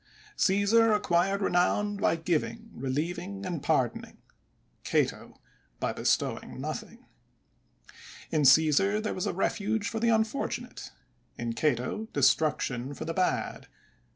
Caesar acquired renown by giving, relieving and pardoning; Cato by bestowing nothing. In CsBsar, there was a refuge for the unfortunate; in Cato, destruction for the bad.